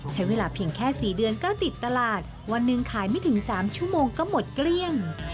ใช้เวลาเพียงแค่๔เดือนก็ติดตลาดวันหนึ่งขายไม่ถึง๓ชั่วโมงก็หมดเกลี้ยง